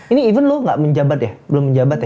ini even lo gak menjabat ya belum menjabat ya